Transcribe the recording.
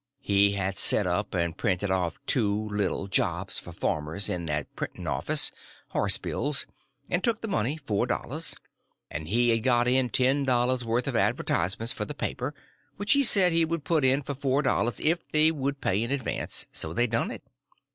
He had set up and printed off two little jobs for farmers in that printing office—horse bills—and took the money, four dollars. And he had got in ten dollars' worth of advertisements for the paper, which he said he would put in for four dollars if they would pay in advance—so they done it.